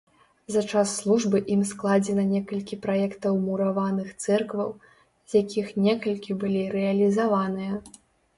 За час службы ім складзена некалькі праектаў мураваных цэркваў, з якіх некалькі былі рэалізаваныя.